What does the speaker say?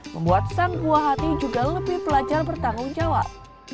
membuat sang buah hati juga lebih pelajar bertanggung jawab